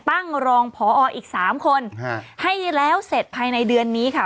ตั้งรองพออีก๓คนให้แล้วเสร็จภายในเดือนนี้ค่ะ